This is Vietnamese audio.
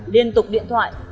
liên tục điện thoại